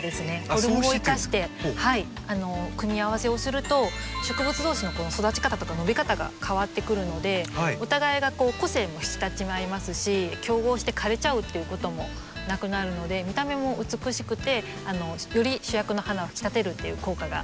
フォルムを生かして組み合わせをすると植物同士の育ち方とか伸び方が変わってくるのでお互いが個性も引き立ち合いますし競合して枯れちゃうっていうこともなくなるので見た目も美しくてより主役の花を引き立てるっていう効果が生まれます。